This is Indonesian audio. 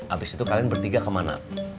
abis itu kalian bertiga kemana